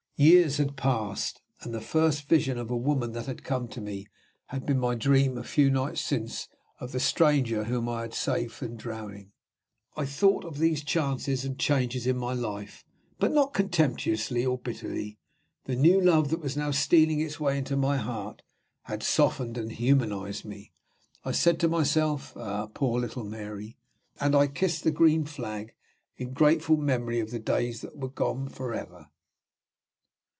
Years had passed; and the first vision of a woman that had come to me had been my dream a few nights since of the stranger whom I had saved from drowning. I thought of these chances and changes in my life, but not contemptuously or bitterly. The new love that was now stealing its way into my heart had softened and humanized me. I said to myself, "Ah, poor little Mary!" and I kissed the green flag, in grateful memory of the days that were gone forever.